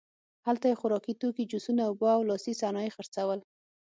هلته یې خوراکي توکي، جوسونه، اوبه او لاسي صنایع خرڅول.